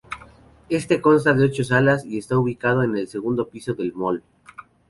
Este consta de ocho salas y está ubicado en el segundo piso del mall.